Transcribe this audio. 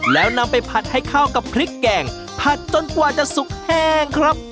แล้วนำไปผัดให้เข้ากับพริกแกงผัดจนกว่าจะสุกแห้งครับ